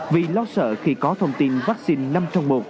vì lo sợ khi có thông tin vaccine năm trong một